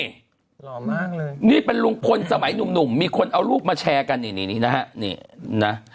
หรอมากเลยนี่เป็นลุงพลลุงมีคนเอารูปมาแชร์กันนี่นะฮะ